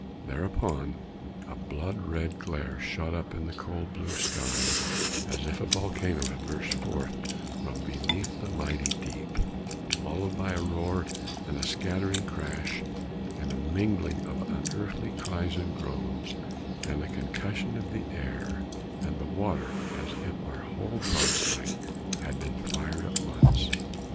Thereupon a blood red glare shot up in the cold blue sky, as if a volcano had burst forth from beneath the mighty deep, followed by a roar, and a scattering crash, and a mingling of unearthly cries and groans, and a concussion of the air and the water as if our whole broadside had been fired at once.